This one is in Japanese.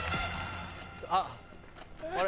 あっあれ？